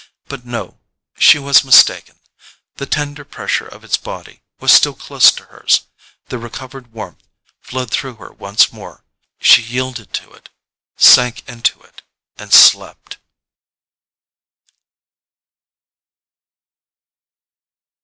But no—she was mistaken—the tender pressure of its body was still close to hers: the recovered warmth flowed through her once more, she yielded to it, sank into it, and slept.